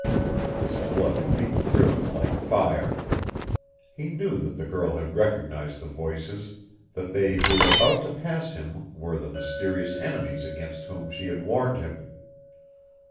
His blood leaped through him like fire. He knew that the girl had recognized the voices that they who were about to pass him were the mysterious enemies against whom she had warned him.